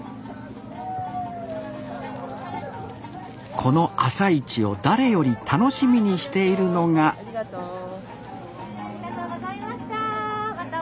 この朝市を誰より楽しみにしているのがありがとう。